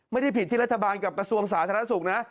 ไม่ได้ผิดที่รัฐบาลกับกระทรวงสาธารณสุขนะ